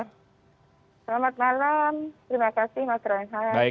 selamat malam terima kasih mas renhat